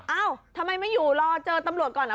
เอ้าทำไมไม่อยู่รอเจอตำรวจก่อนเหรอ